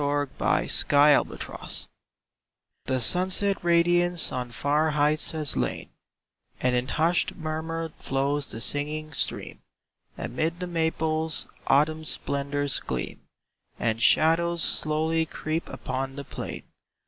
Xove'8 Hftetnoon HE sunset radiance on far heights has lain And in hushed murmur flows the singing stream; Amid the maples Autumn splendors gleam, And shadows slowly creep upon the plain.